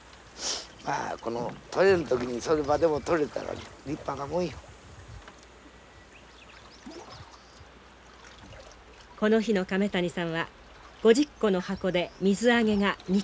まあこの取れん時にそれまでも取れたら立派なもんよ。この日の亀谷さんは５０個の箱で水揚げが２キロ。